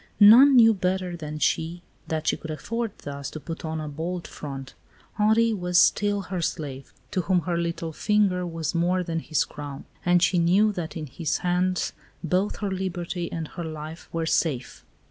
None knew better than she that she could afford thus to put on a bold front. Henri was still her slave, to whom her little finger was more than his crown; and she knew that in his hands both her liberty and her life were safe.